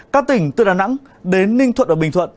các tỉnh từ đà nẵng đến ninh thuận và bình thuận